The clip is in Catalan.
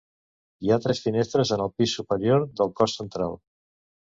Hi ha tres finestres en el pis superior del cos central.